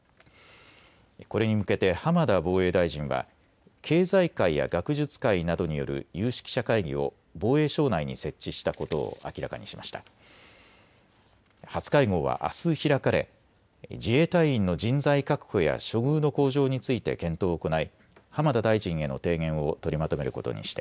これに向けて浜田防衛大臣は経済界や学術界などによる有識者会議を防衛省内に設置したことを明らかにしました。